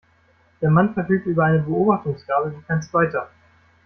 Der Mann verfügt über eine Beobachtungsgabe wie kein zweiter.